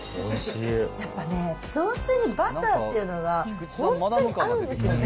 やっぱね、雑炊にバターっていうのが、本当に合うんですよね。